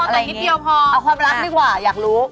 แต่นิดเดียวพอเอาความรักดีกว่าอยากรู้